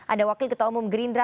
ada wakil ketua umum gerindra